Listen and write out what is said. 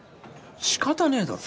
仕方ねえだろ。